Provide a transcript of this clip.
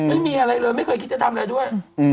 ไม่มีอะไรเลยไม่เคยคิดจะทำอะไรด้วย